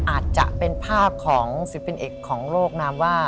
อาจจะเป็นภาพของศิลปินเอกของโลกนามว่า